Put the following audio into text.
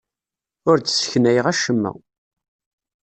Ur d-sseknayeɣ acemma.